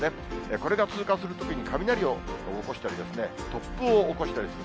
これが通過するときに雷を起こしたり、突風を起こしたりする。